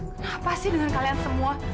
kenapa sih dengan kalian semua